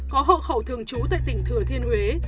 có hộ khẩu thường trú tại tỉnh thừa thiên huế